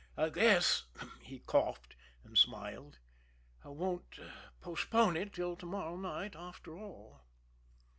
"I guess," he coughed and smiled, "I won't postpone it till to morrow night, after all."